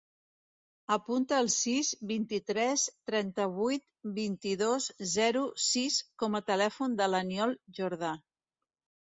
Apunta el sis, vint-i-tres, trenta-vuit, vint-i-dos, zero, sis com a telèfon de l'Aniol Jorda.